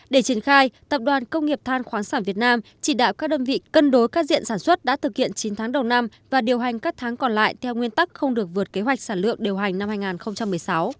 để triển khai tập đoàn công nghiệp than khoáng sản việt nam chỉ đạo các đơn vị cân đối các diện sản xuất đã thực hiện chín tháng đầu năm và điều hành các tháng còn lại theo nguyên tắc không được vượt kế hoạch sản lượng điều hành năm hai nghìn một mươi sáu